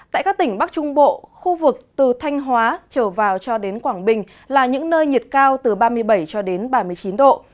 tại các tỉnh bắc trung bộ khu vực từ thanh hóa trở vào cho đến quảng bình là những nơi nhiệt cao từ ba mươi bảy cho đến ba mươi chín độ